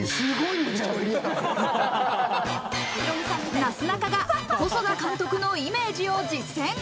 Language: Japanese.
なすなかが細田監督のイメー